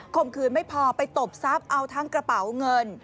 มขืนไม่พอไปตบทรัพย์เอาทั้งกระเป๋าเงิน